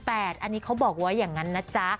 อันนี้เขาบอกว่าอย่างนั้นนะจ๊ะ